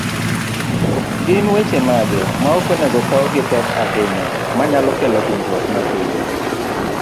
Gin weche mage maok onego okaw gipek ahinya, manyalo kelo hinyruok ne piny?